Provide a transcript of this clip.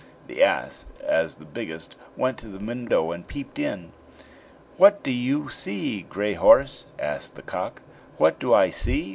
The ass, as the biggest, went to the window and peeped in. "What do you see, Gray horse?" asked the cock. "What do I see?"